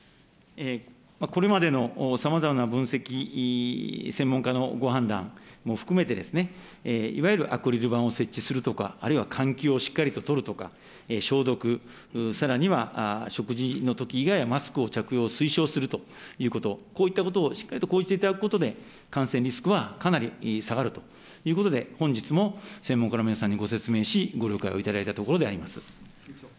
これまでのさまざまな分析、専門家のご判断も含めて、いわゆるアクリル板を設置するとか、あるいは換気をしっかりと取るとか、消毒、さらには食事のとき以外はマスクの着用を推奨するとか、こういったことをしっかりと講じていただくことで、感染リスクはかなり下がるということで、本日も専門家の皆さんにご説明し、ご理解をいただきたいところであります。